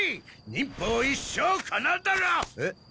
忍法一生金だらえっ？